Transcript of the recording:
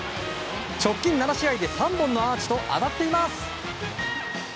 直近７試合で３本のアーチと当たっています。